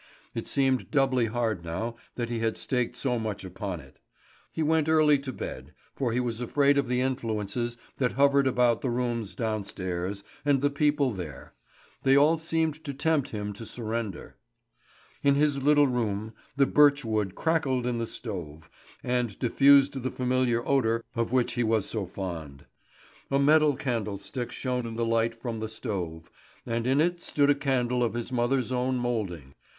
It seemed doubly hard now that he had staked so much upon it. He went early to bed, for he was afraid of the influences that hovered about the rooms downstairs and the people there; they all seemed to tempt him to surrender. In his little room, the birch wood crackled in the stove, and diffused the familiar odour of which he was so fond. A metal candlestick shone in the light from the stove, and in it stood a candle of his mother's own moulding.